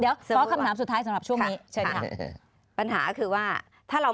เดี๋ยวขอคำถามสุดท้ายสำหรับช่วงนี้เชิญค่ะปัญหาคือว่าถ้าเรา